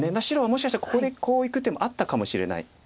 白はもしかしたらここでこういく手もあったかもしれない。